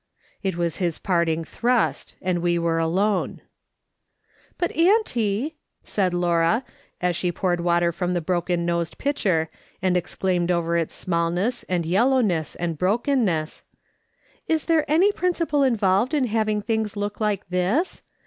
It was his parting thrust, and we were alone. " But, auntie," said Laura, as she poured water from the broken nosed pitcher, and exclaimed over its smallness, and yellowness, and brokenness, "is there any principle involved in having things look like this